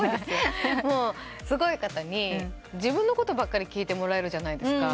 すごい方に自分のことばっかり聞いてもらえるじゃないですか。